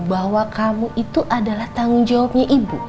bahwa kamu itu adalah tanggung jawabnya ibu